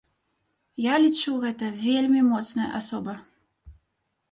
Я лічу, гэта вельмі моцная асоба.